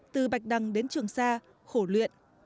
từ bạch đăng đến trường sa khổ luyện